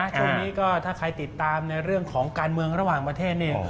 ช่วงนี้ก็ถ้าใครติดตามในเรื่องของการเมืองระหว่างประเทศเนี่ย